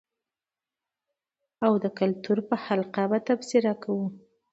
او کلتور په حقله تبصره کوو.